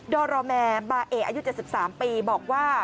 อรอแมร์บาเออายุ๗๓ปีบอกว่า